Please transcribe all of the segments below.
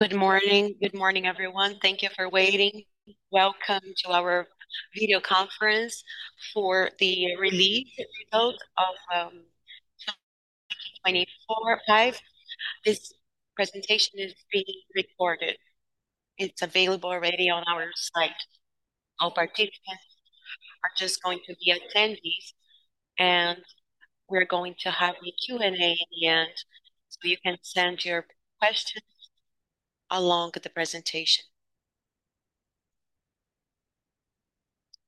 Good morning. Good morning, everyone. Thank you for waiting. Welcome to our video conference for the release of results of 2024. This presentation is being recorded. It's available already on our site. All participants are just going to be attendees, we're going to have a Q&A at the end, so you can send your questions along with the presentation.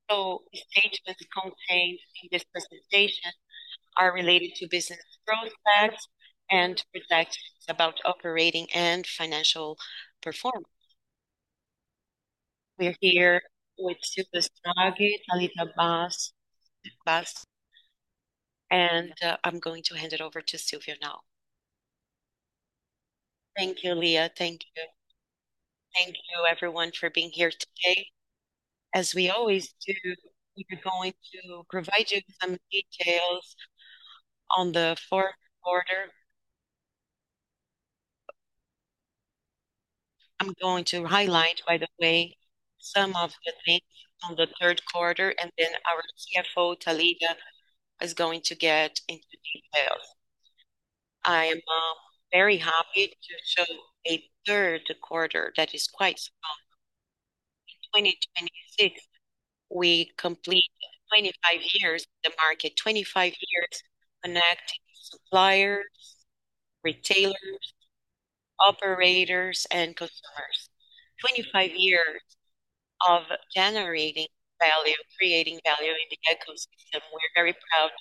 The statements contained in this presentation are related to business prospects and projections about operating and financial performance. We're here with Silvio Stagni, Thalita Basso. I'm going to hand it over to Silvio now. Thank you, Lia. Thank you. Thank you everyone for being here today. As we always do, we are going to provide you with some details on the fourth quarter. I'm going to highlight, by the way, some of the things on the third quarter, then our CFO, Thalita, is going to get into details. I am very happy to show a third quarter that is quite strong. In 2026, we complete 25 years in the market. 25 years connecting suppliers, retailers, operators, and customers. 25 years of generating value, creating value in the ecosystem. We're very proud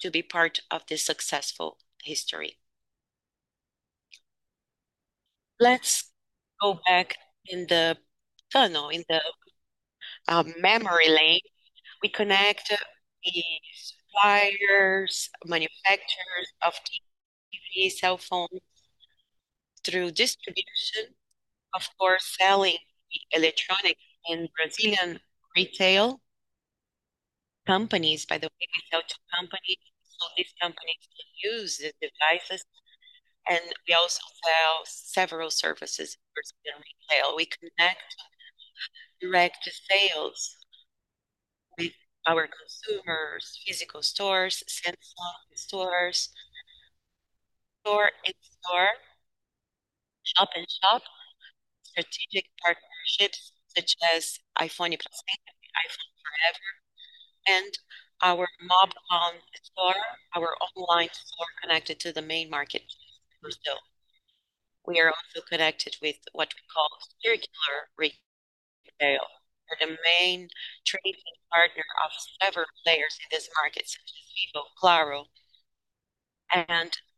to be part of this successful history. Let's go back in the tunnel, in the memory lane. We connect the suppliers, manufacturers of TV, cell phones through distribution. Of course, selling the electronic in Brazilian retail companies. By the way, we sell to companies, these companies could use the devices, we also sell several services in Brazilian retail. We connect direct to sales with our consumers, physical stores, standalone stores, store-in-store, shop-in-shop, strategic partnerships such as iPhone Passaí and the iPhone pra Sempre, our mob.com.br store, our online store connected to the main market, Brazil. We are also connected with what we call circular retail. We're the main trading partner of several players in this market such as Vivo, Claro.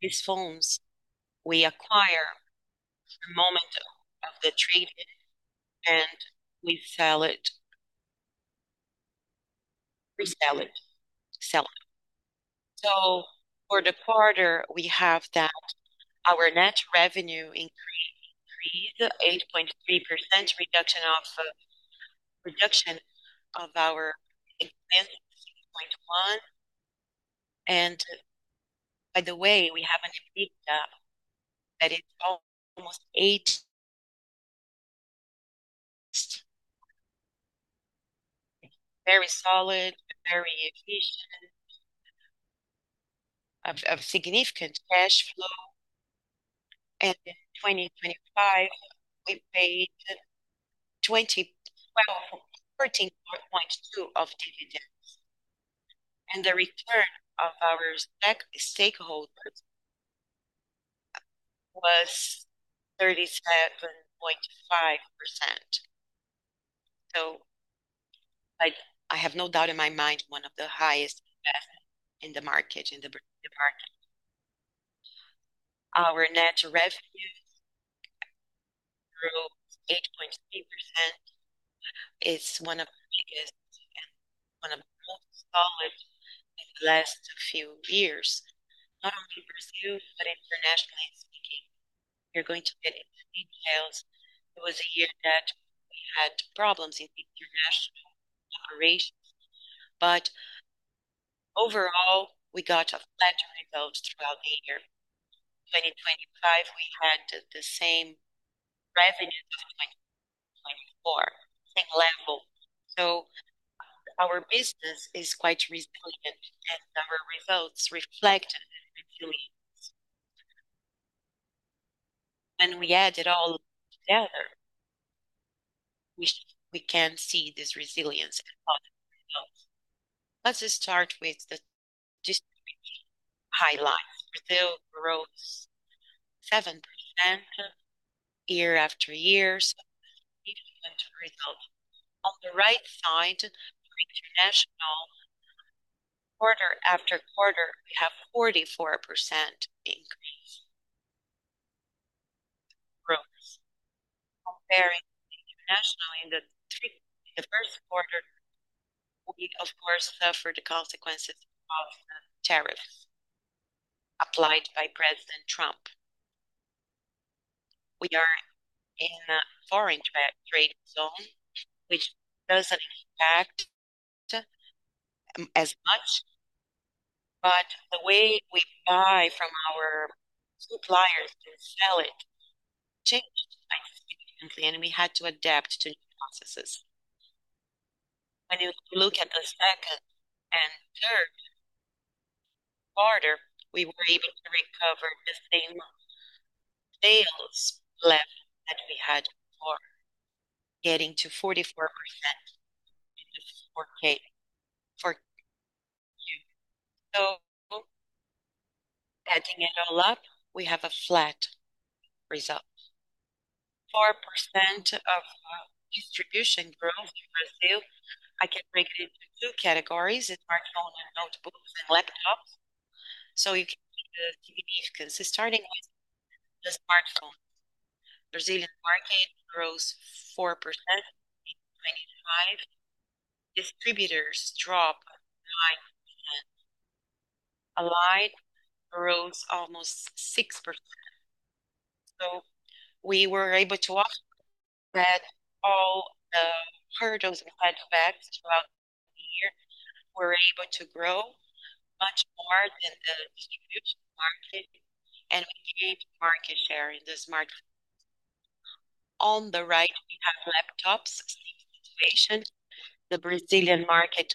These phones, we acquire the moment of the trade-in, we resell it. For the quarter, we have that our net revenue increased 8.3%, reduction of our expenses, 6.1%. By the way, we have an EPS that is almost 8. Very solid, very efficient. A significant cash flow. In 2025, we paid 14.2 of dividends. The return of our stakeholders was 37.5%. I have no doubt in my mind, one of the highest in the market, in the department. Our net revenue grew 8.3%. It's one of the biggest, again, one of the most solid in the last few years. Not only Brazil, but internationally speaking. We're going to get into details. It was a year that we had problems in international operations. Overall, we got legendary results throughout the year. 2025, we had the same revenue as 2024, same level. Our business is quite resilient, our results reflect that resilience. When we add it all together, we can see this resilience in all the results. Let's just start with the distribution highlights. Brazil grows 7% year-over-year, excellent result. On the right side, for international, quarter-over-quarter, we have 44% increase growth. Comparing internationally in the first quarter, we, of course, suffered the consequences of the tariff applied by President Trump. We are in a foreign trade zone, which doesn't impact as much. The way we buy from our suppliers to sell it changed significantly, and we had to adapt to new processes. When you look at the second and third quarter, we were able to recover the same sales level that we had before, getting to 44% in Q4. Adding it all up, we have a flat result. 4% of our distribution growth in Brazil, I can break it into two categories, smartphones and notebooks and laptops. You can see the TVs starting with the smartphone. Brazilian market grows 4% in 2025. Distributors drop 9%. Allied grows almost 6%. We were able to weather all the hurdles and side effects throughout the year. We were able to grow much more than the distribution market, and we gained market share in the smartphone. On the right, we have laptops. Same situation. The Brazilian market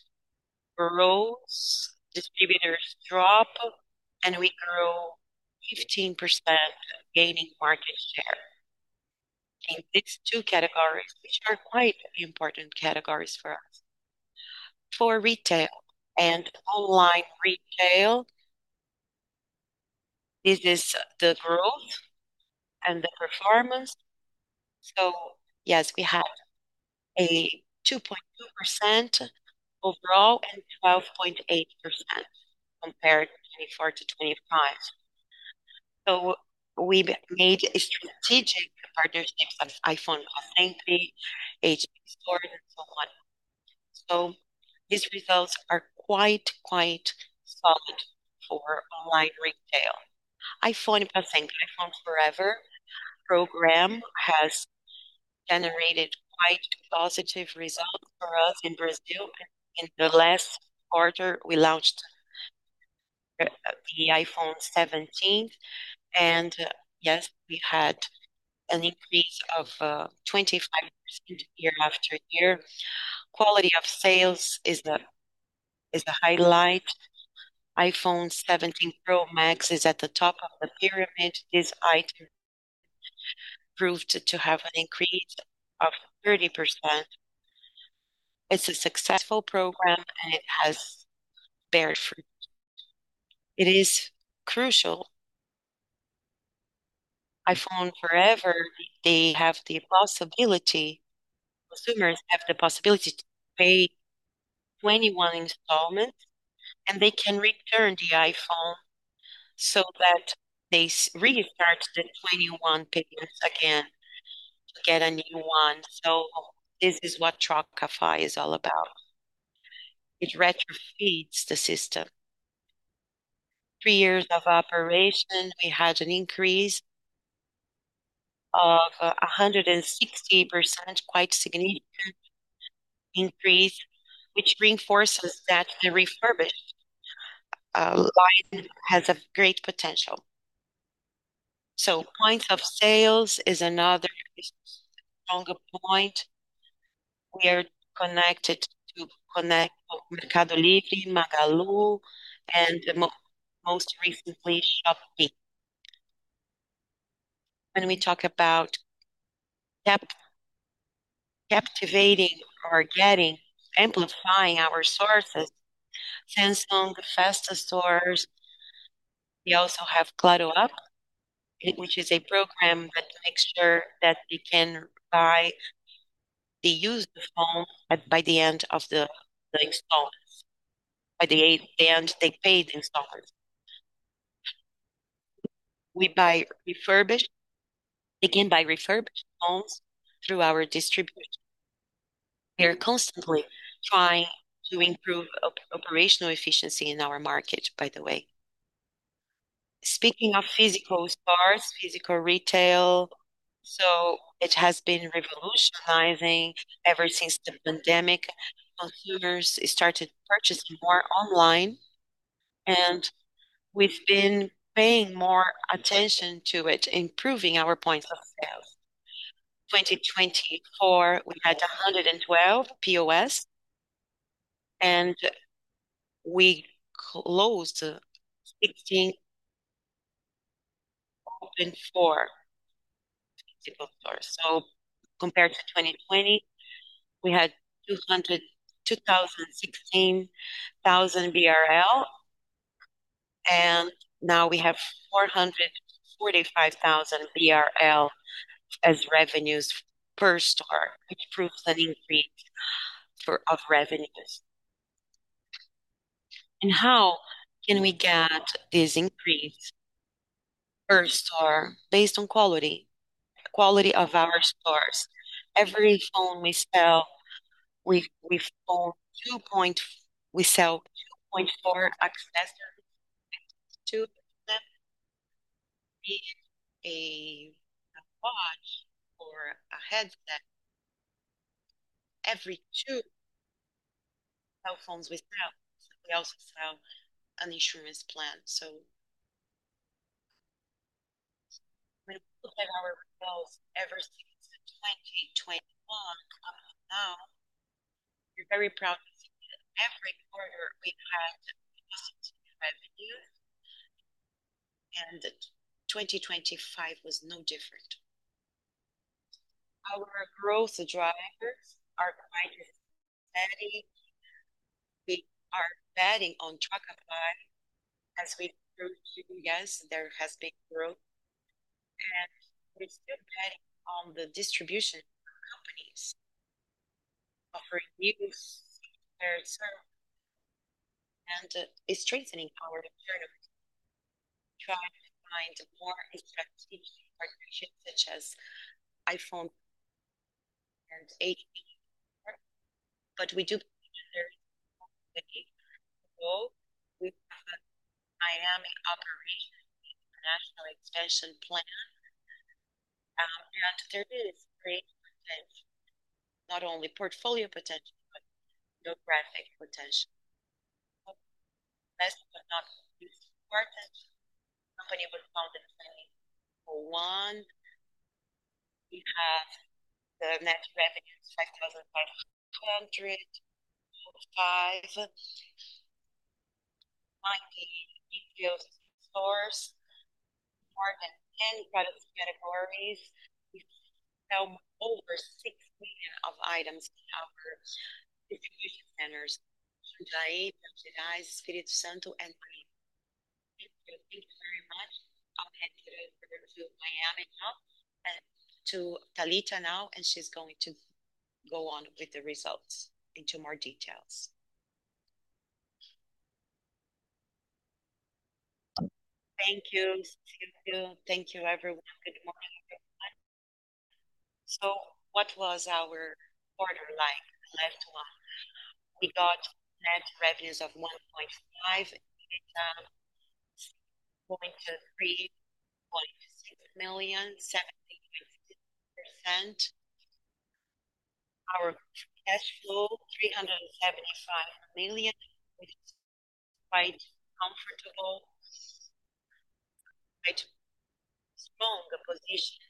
grows, distributors drop, and we grow 15%, gaining market share. In these two categories, which are quite important categories for us. For retail and online retail, this is the growth and the performance. Yes, we have a 2.2% overall and 12.8% compared 2024 to 2025. We've made strategic partnerships with iPhone Passaí, HP Store, and so on. These results are quite solid for online retail. iPhone Passaí, iPhone Forever program has generated quite positive results for us in Brazil. In the last quarter, we launched the iPhone 17, and yes, we had an increase of 25% year-over-year. Quality of sales is a highlight. iPhone 17 Pro Max is at the top of the pyramid. This item proved to have an increase of 30%. It's a successful program, and it has beared fruit. It is crucial. iPhone Forever, consumers have the possibility to pay 21 installments, and they can return the iPhone so that they restart the 21 payments again to get a new one. This is what Trocafy is all about. It retrofeeds the system. Three years of operation, we had an increase of 160%, quite significant increase, which reinforces that the refurbished line has a great potential. Point of sales is another stronger point. We are connected to connect Mercado Libre, Magalu, and most recently, Shopee. When we talk about captivating or getting, amplifying our sources, Samsung, Fast Shop. We also have Claro Up, which is a program that makes sure that you can buy the used phone by the end of the installments. By the end, they paid installments. We buy refurbished. They can buy refurbished phones through our distributors. We are constantly trying to improve operational efficiency in our market, by the way. Speaking of physical stores, physical retail, it has been revolutionizing. Ever since the pandemic, consumers started purchasing more online, and we've been paying more attention to it, improving our points of sales. 2024, we had 112 POS, and we closed 16 and opened four physical stores. Compared to 2020, we had 216,000, and now we have 445,000 BRL as revenues per store, which proves an increase of revenues. How can we get this increase per store? Based on quality, the quality of our stores. Every phone we sell, we sell 2.4 accessories, Headset. Every two cell phones we sell, we also sell an insurance plan. When you look at our results ever since 2021 up until now, we are very proud to say that every quarter we have had revenue, 2025 was no different. Our growth drivers are quite steady. We are betting on Trocafy as there has been growth, and we are still betting on the distribution companies offering new and is strengthening our diversity. We try to find more strategic partnerships, such as iPhone and HP, but we do. We have a dynamic operational international expansion plan. Our strategy is great potential, not only portfolio potential, but geographic potential. Last but not least, market. The Company was founded in 2001. We have 5,505 stores, more than 10 product categories. We sell over 6 million of items in our distribution centers in São Paulo, Minas Gerais, Espírito Santo, and Bahia. Thank you very much. I will hand it over to Thalita now, she is going to go on with the results into more details. Thank you. Thank you, everyone. Good morning, everyone. What was our quarter like? The left one. We got net revenues of 1.5 billion, up 3.6 million, 76%. Our cash flow, 375 million, which is quite comfortable. Quite strong, the position.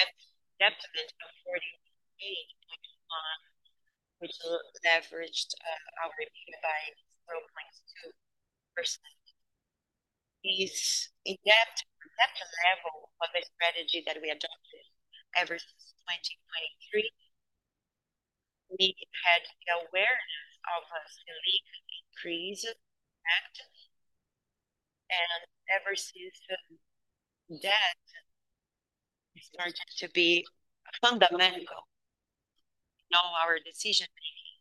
Net debt of BRL 48.1 million, which leveraged our EBITDA by 4.2%. This net debt level was a strategy that we adopted ever since 2023. We had the awareness of a severe increase in activity, ever since then, debt started to be fundamental in all our decision-making.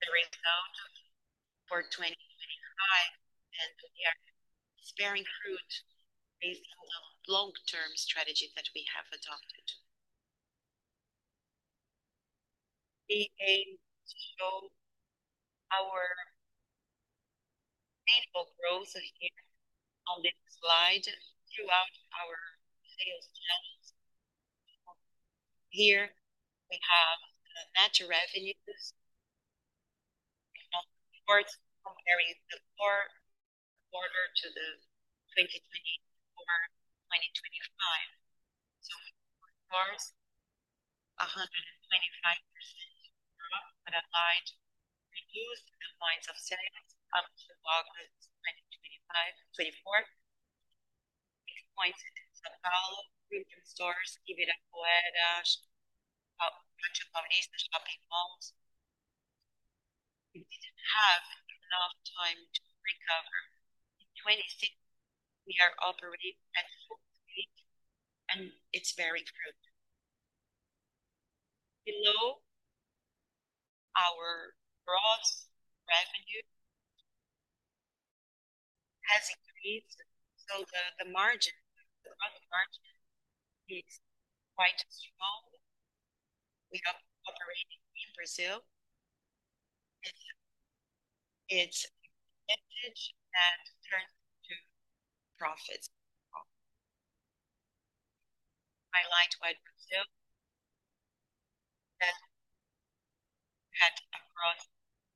The result for 2025 has been bearing fruit based on the long-term strategy that we have adopted. We aim to show our painful growth here on this slide throughout our sales channels. Here we have the net revenues. We have the quarters from the fourth quarter to the 2024, 2025. Q4, 125% growth when applied reduced the lines of sales up to August 2025 Q4. It pointed to all group stores, including Apoenas, a bunch of companies, and shopping malls. We did not have enough time to recover. In 2026, we are operating at full speed, it is bearing fruit. Below, our gross revenue has increased, the margin, the gross margin is quite strong. We are operating in Brazil. It is vintage that turns into profits. Highlighted Brazil. That had a gross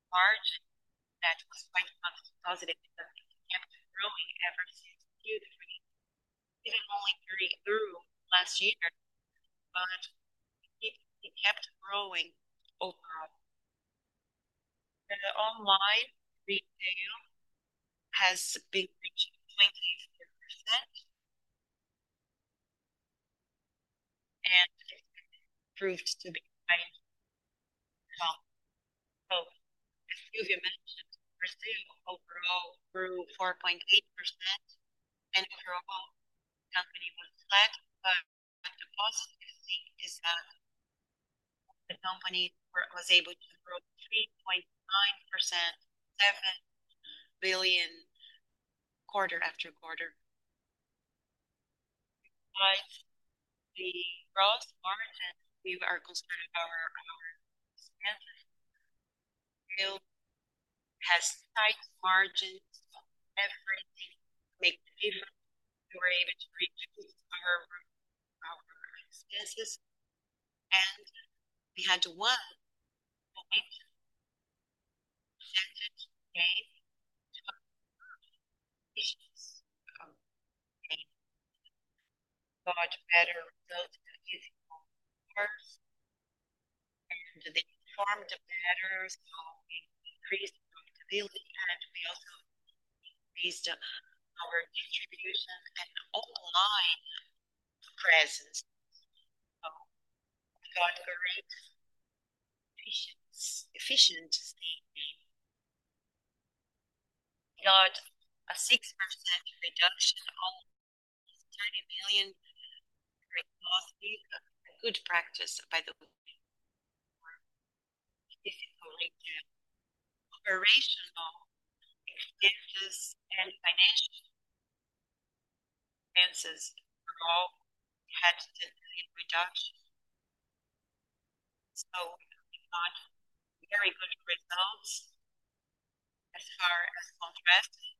margin that was quite positive because it kept growing ever since 2023. It only broke through last year, but it kept growing overall. The online retail has been reaching 24%, it proved to be quite strong. As Silvio mentioned, Brazil overall grew 4.8%, overall the company was flat. The positive thing is that the company was able to grow 3.9%, 7 billion quarter after quarter. The gross margin leave our concerns over our expenses Has tight margins on everything. Make different. We were able to reduce our expenses, we had to work, like, much better results using all parts. They informed the headers, how we increased the ability, we also increased our contribution and online presence of God for efficient. Got a 6% reduction on 30 million good practice by the way. Operational expenses and financial expenses were all had to be reduced. We got very good results as far as progress.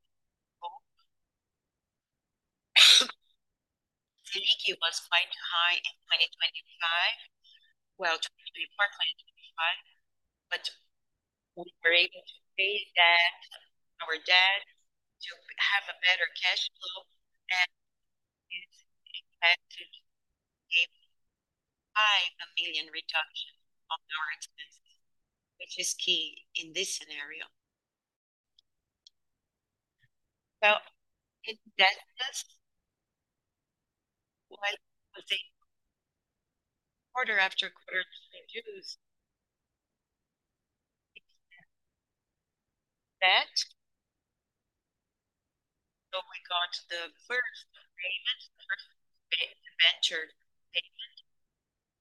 The EQ was quite high in 2025. Well, 2023, 2024, 2025. We were able to pay back our debt to have a better cash flow, it had to give a 1 million reduction of our expenses, which is key in this scenario. In debt list, what was it? Quarter after quarter reviews. We got the first payment, the first venture payment,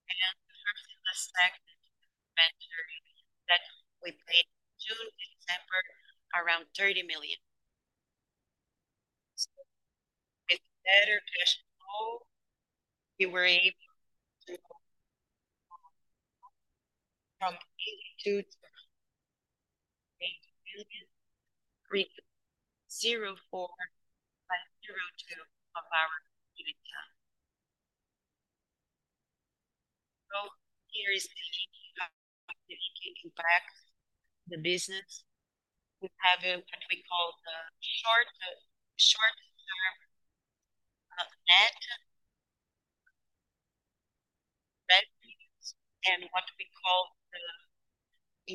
and the first and the second venture that we paid June to December, around BRL 30 million. It's better cash flow. We were able to from 2 million, 3, 04 by 02 of our lead time. Here is the EQ back, the EQ came back, the business. We have what we call the short term of net. And what we call the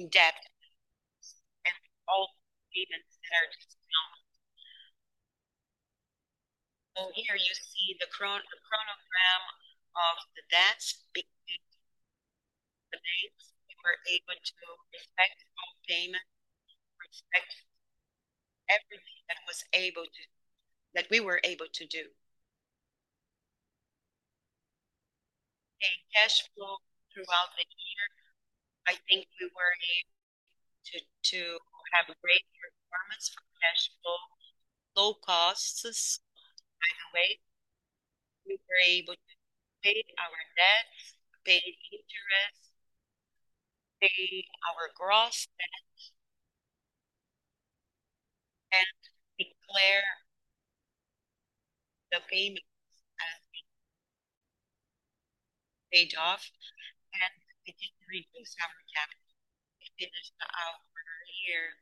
in-depth and all events that are just known. Here you see the chronogram of the debts being paid. We were able to respect all payment, everything that we were able to do. In cash flow throughout the year, I think we were able to have a great performance for cash flow, low costs. We were able to pay our debts, pay the interest, pay our gross debts, and declare the payments as we paid off. It did reduce our capital. It finished our year,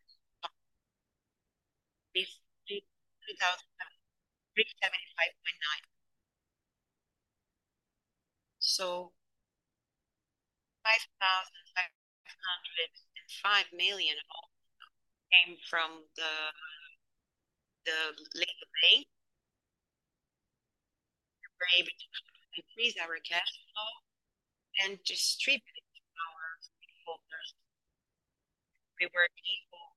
this 2,375.9. 5,505 million all came from the late pay. We were able to increase our cash flow and distribute it to our shareholders. We were able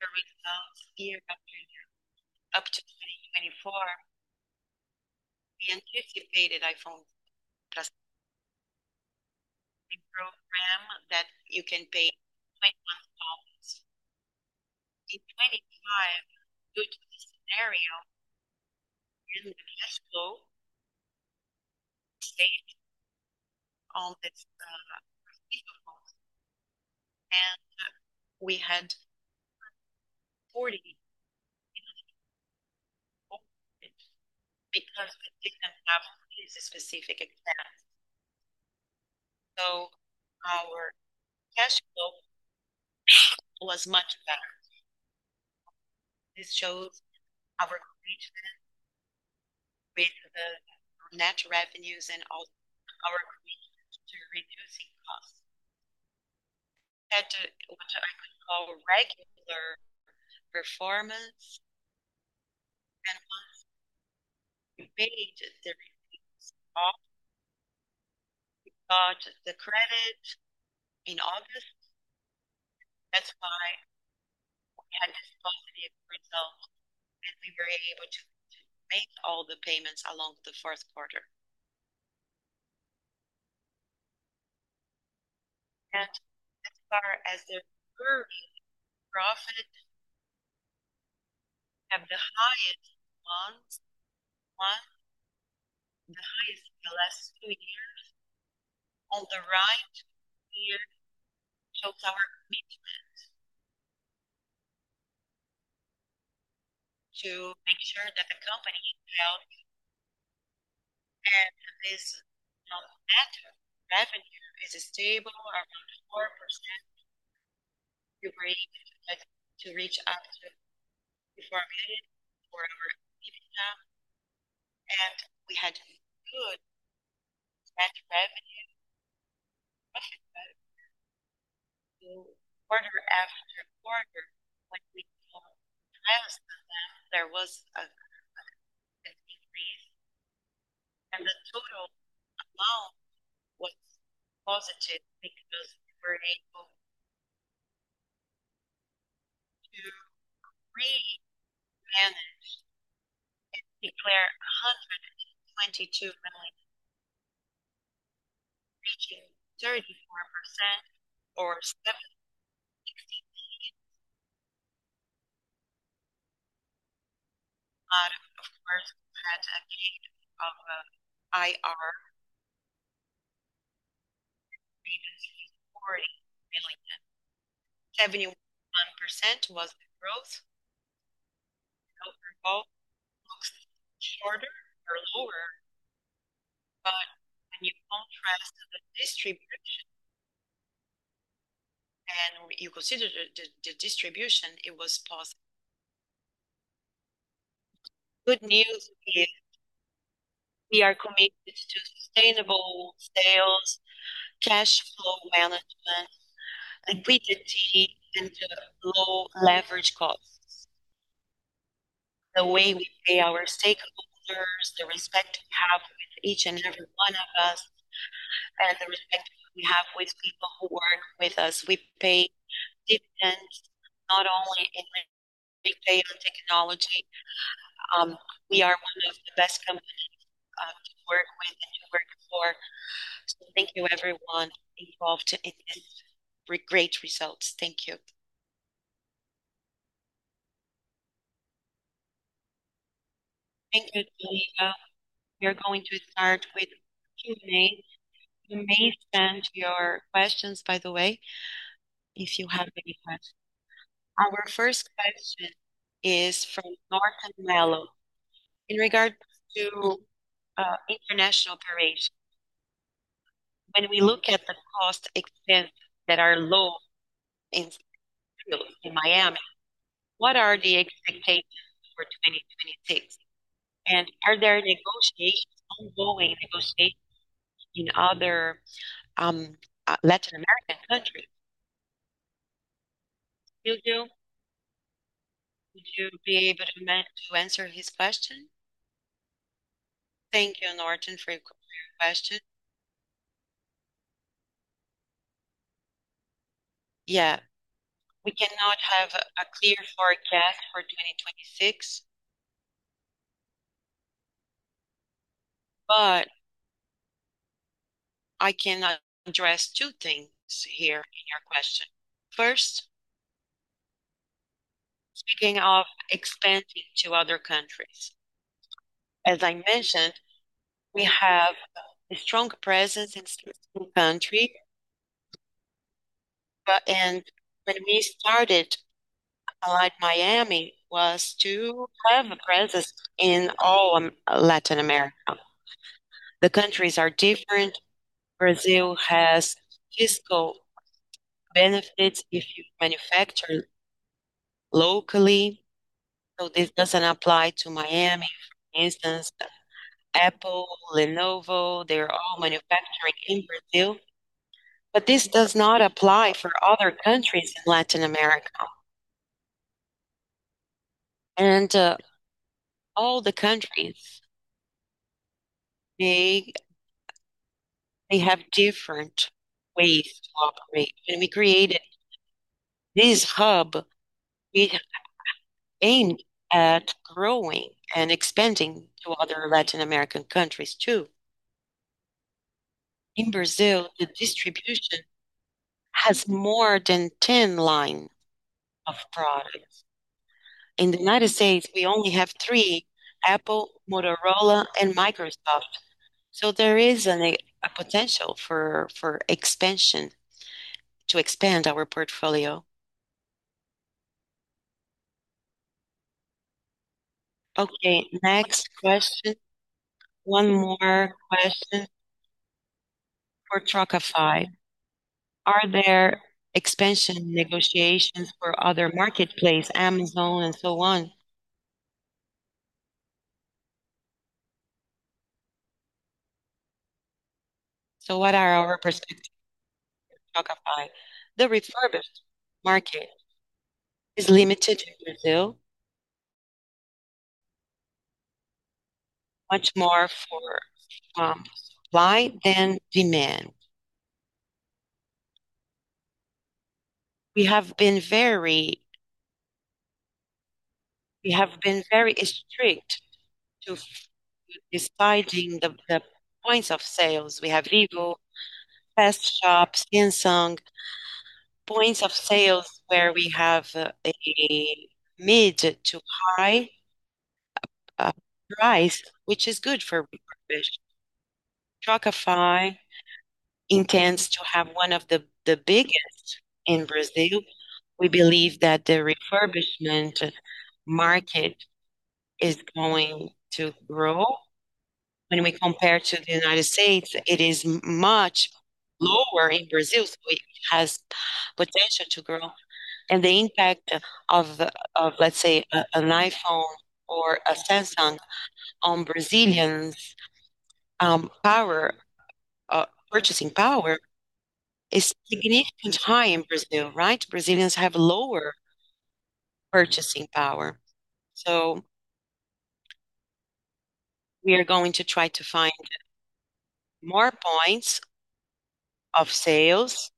the results year after year, up to 2024. We anticipated iPhone plus a program that you can pay 21. In 2025, due to the scenario and the cash flow state, all this people. We had 40 because we didn't have this specific expense. Our cash flow was much better. This shows our commitment with the net revenues and all our commitment to reducing costs. Had to what I could call regular performance and also we paid everything off. We got the credit in August. That's why we had this positive result, and we were able to make all the payments along the fourth quarter. As far as the gross profit have the highest months, Two years. On the right here shows our commitment to make sure that the company health and this net revenue is stable around 4% to reach our target before COVID, or even now. We had good net revenue. Quarter after quarter, when we contrast that, there was a decrease, the total amount was positive because we were able to manage and declare BRL 122 million, reaching 34% or 17%. Of course, we had a change of IR regions reporting in Latin. Revenue 1% was the growth, both shorter or lower. When you contrast the distribution, you consider the distribution, it was positive. Good news is we are committed to sustainable sales, cash flow management, and we continue into low leverage costs. The way we pay our stakeholders, the respect we have with each and every one of us, and the respect we have with people who work with us, we pay dividends, not only in technology. We are one of the best companies to work with and work for. Thank you everyone involved in this great results. Thank you. Thank you, Julica. We are going to start with Q&A. You may send your questions, by the way, if you have any questions. Our first question is from Norton Mellow. In regards to international operations, when we look at the cost expenses that are low in Miami, what are the expectations for 2026? Are there ongoing negotiations in other Latin American countries? Juju, would you be able to answer his question? Thank you, Norton, for your question. We cannot have a clear forecast for 2026, but I can address two things here in your question. First, speaking of expanding to other countries, as I mentioned, we have a strong presence in certain countries. When we started Allied Miami was to have a presence in all Latin America. The countries are different. Brazil has fiscal benefits if you manufacture locally, so this doesn't apply to Miami. For instance, Apple, Lenovo, they're all manufacturing in Brazil. This does not apply for other countries in Latin America. All the countries, they have different ways to operate. When we created this hub, we aimed at growing and expanding to other Latin American countries too. In Brazil, the distribution has more than 10 line of products. In the U.S., we only have three: Apple, Motorola, and Microsoft. There is a potential to expand our portfolio. Next question. One more question for Trocafy. Are there expansion negotiations for other marketplace, Amazon and so on? What are our perspectives with Trocafy? The refurbished market is limited in Brazil. Much more for supply than demand. We have been very strict to deciding the points of sales. We have legal Fast Shop, Samsung, points of sales where we have a mid to high price, which is good for refurbishment. Trocafy intends to have one of the biggest in Brazil. We believe that the refurbishment market is going to grow. When we compare to the U.S., it is much lower in Brazil, it has potential to grow. The impact of, let's say, an iPhone or a Samsung on Brazilians' purchasing power is significantly high in Brazil, right? Brazilians have lower purchasing power. We are going to try to find more points of sales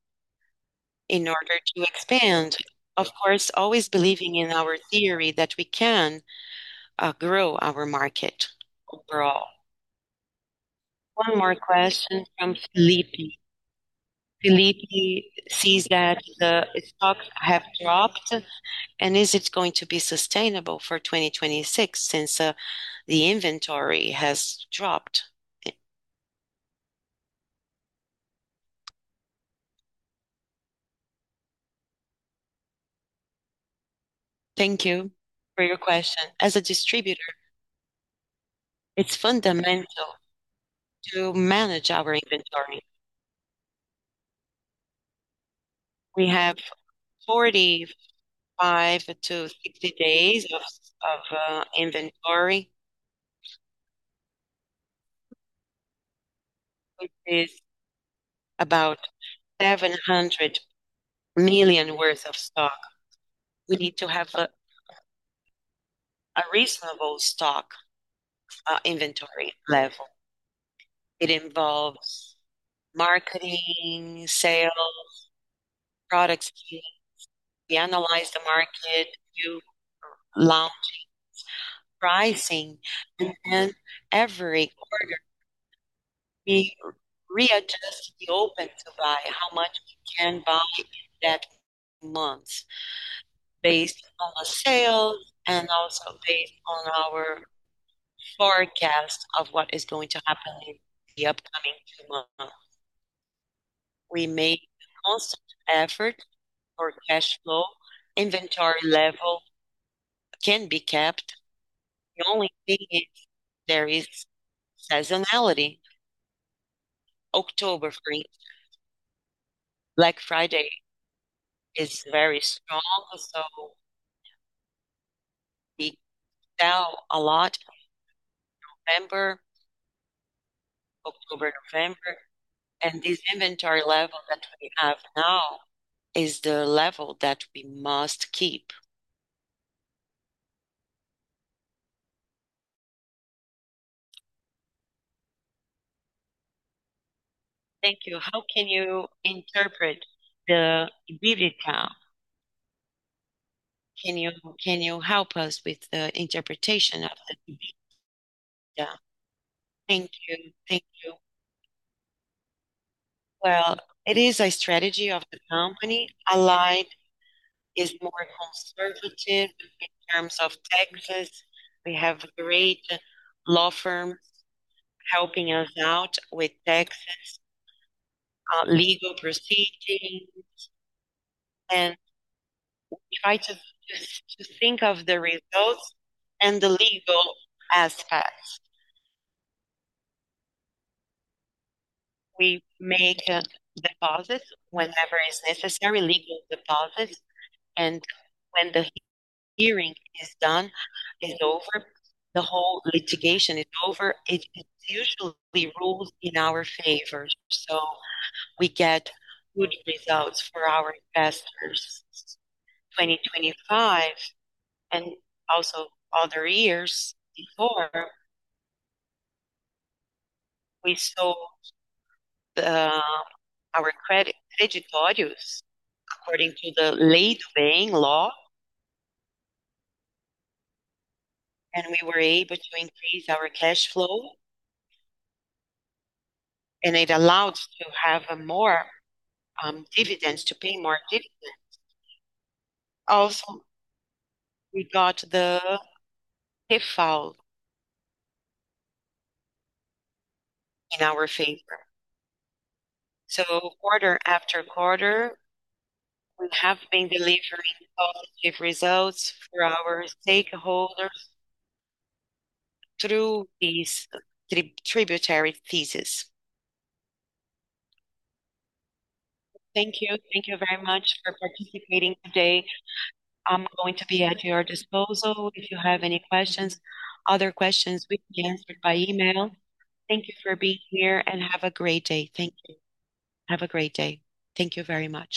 in order to expand. Of course, always believing in our theory that we can grow our market overall. One more question from Felipe. Felipe sees that the stocks have dropped, is it going to be sustainable for 2026 since the inventory has dropped? Thank you for your question. As a distributor, it's fundamental to manage our inventory. We have 45-60 days of inventory, which is about 700 million worth of stock. We need to have a reasonable stock inventory level. It involves marketing, sales, product experience. We analyze the market, do launchings, pricing, then every quarter, we readjust the Open-to-Buy, how much we can buy in that month based on our sales and also based on our forecast of what is going to happen in the upcoming 2 months. We make a constant effort for cash flow. Inventory level can be kept. The only thing is there is seasonality. October, Black Friday is very strong, we sell a lot November, October, November. This inventory level that we have now is the level that we must keep. Thank you. How can you interpret the dividend? Can you help us with the interpretation of the dividend? Thank you. Thank you. Well, it is a strategy of the company. Allied is more conservative in terms of taxes. We have great law firms helping us out with taxes, legal proceedings, and we try to think of the results and the legal aspects. We make deposits whenever is necessary, legal deposits, and when the hearing is over, the whole litigation is over, it is usually ruled in our favor. We get good results for our investors. 2025, and also other years before, we sold our credit values according to the late paying law, and we were able to increase our cash flow, and it allowed to pay more dividends. Also, we got the default in our favor. Quarter after quarter, we have been delivering positive results for our stakeholders through these tributary thesis. Thank you. Thank you very much for participating today. I'm going to be at your disposal if you have any questions. Other questions will be answered by email. Thank you for being here, and have a great day. Thank you. Have a great day. Thank you very much